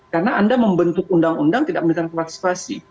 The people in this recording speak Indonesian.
karena anda membentuk undang undang tidak mendengarkan partisipasi